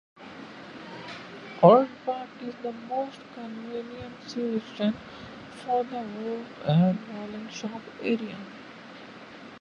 Orrell Park is the most convenient station for the Walton Vale shopping area.